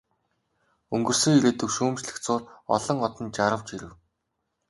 Өнгөрсөн ирээдүйг шүүмжлэх зуур олон одон жарав, жирэв.